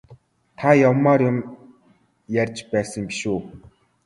Та явмаар юм ярьж байсан биш үү?